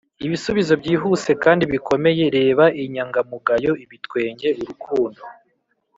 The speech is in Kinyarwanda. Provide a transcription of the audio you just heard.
ibisubizo byihuse kandi bikomeye, reba inyangamugayo, ibitwenge, urukundo, -